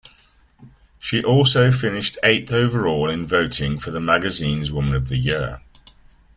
She also finished eighth overall in voting for the magazine's Woman of the Year.